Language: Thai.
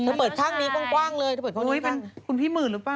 เธอเปิดทางนี้กว้างเลยเธอเปิดทางนี้ก็โอ้โฮเมื่อเป็นผุ่นผีหมื่นหรือเปล่า